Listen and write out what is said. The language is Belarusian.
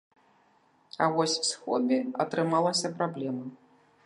А вось з хобі атрымалася праблема.